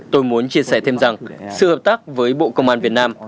tôi muốn chia sẻ thêm rằng sự hợp tác với bộ công an việt nam